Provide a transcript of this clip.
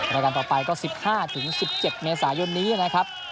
รายการต่อไปก็๑๕๑๗เมษายนนี้นะครับ